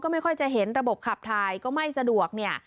ไม่ค่อยจะเห็นระบบขับถ่ายก็ไม่สะดวกเนี่ย